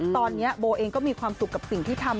ตอนนี้โบเองก็มีความสุขกับสิ่งที่ทำ